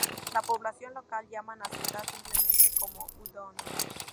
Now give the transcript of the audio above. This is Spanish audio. La población local llaman a su ciudad simplemente como "Udon".